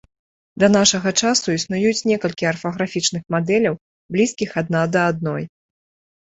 Да нашага часу існуюць некалькі арфаграфічных мадэляў, блізкіх адна да адной.